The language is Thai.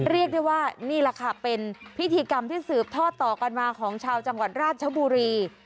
เรียกได้ว่านี่แหละค่ะเป็นพิธีกรรมที่สืบทอดต่อกันมาของชาวจังหวัดราชบุรี